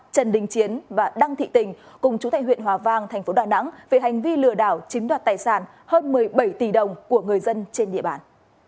trần đình chiến và đăng thị tình cùng chú tại huyện hòa vang tp đà nẵng về hành vi lừa đảo chiếm đoạt tài sản hơn một mươi bảy tỷ đồng của người dân trên địa bàn